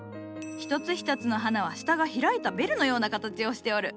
一つ一つの花は下が開いたベルのような形をしておる。